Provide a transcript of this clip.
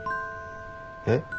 えっ？